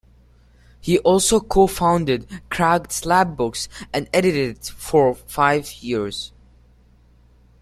He also co-founded Cracked Slab Books and edited it for five years.